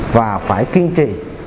và phải kiên trì